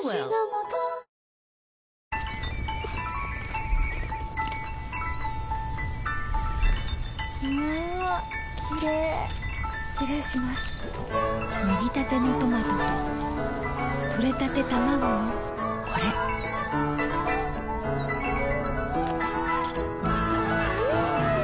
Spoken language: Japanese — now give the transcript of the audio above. もぎたてのトマトととれたてたまごのこれん！